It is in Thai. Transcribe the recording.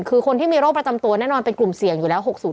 คือคนที่มีโรคประจำตัวแน่นอนเป็นกลุ่มเสี่ยงอยู่แล้ว๖๐